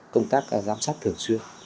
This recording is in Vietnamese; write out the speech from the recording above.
công tác giám sát thường xuyên